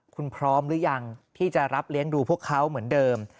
คุณพร้อมหรือยังที่จะรับเลี้ยงดูพวกเขาเหมือนเดิม